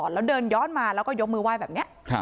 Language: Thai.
แล้วเดินย้อนมาแล้วก็ยกมือไหว้แบบนี้